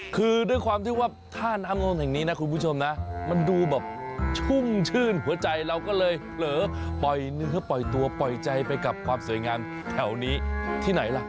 คือด้วยความที่ว่าท่าน้ำนนท์แห่งนี้นะคุณผู้ชมนะมันดูแบบชุ่มชื่นหัวใจเราก็เลยเผลอปล่อยเนื้อปล่อยตัวปล่อยใจไปกับความสวยงามแถวนี้ที่ไหนล่ะ